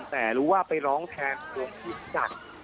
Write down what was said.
แต่รู้ว่าไปร้องแทนดวงพี่กัด